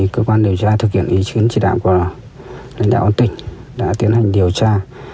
cơ quan điều tra thực hiện y chín chỉ đạo của lãnh đạo của tỉnh đã tiến hành điều tra